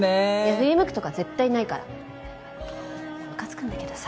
振り向くとか絶対ないからムカつくんだけどさ